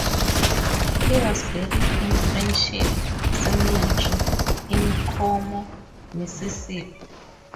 He was buried in Friendship Cemetery in Como, Mississippi.